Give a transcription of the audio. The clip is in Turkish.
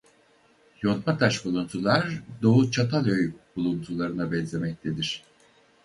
Yontmataş buluntular Doğu Çatalhöyük buluntularına benzemektedir.